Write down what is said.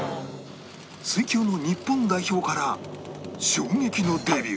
水球の日本代表から衝撃のデビュー